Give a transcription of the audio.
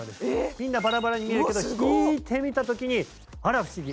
みんなバラバラに見えるけど引いて見た時にあら不思議！